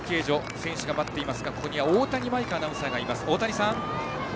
選手が待っていますがここには大谷アナウンサーがいます。